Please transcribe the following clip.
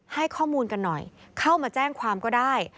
ให้ข้อมูลกันหน่อยเข้ามาแจ้งความก็ได้